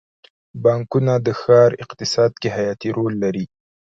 بانکونه د ښار اقتصاد کې حیاتي رول لري.